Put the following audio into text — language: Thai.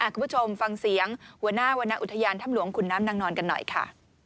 คุณผู้ชมฟังเสียงหัวหน้าวรรณอุทยานถ้ำหลวงขุนน้ำนางนอนกันหน่อยค่ะ